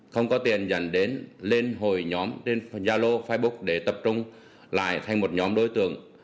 không có tiền dẫn đến lên hồi nhóm trên yalo facebook để tập trung lại thành một nhóm đối tượng